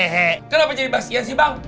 kenapa jadi bahas ian sih bang